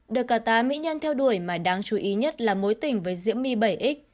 được cả tám mỹ nhân theo đuổi mà đáng chú ý nhất là mối tình với diễm my bảy x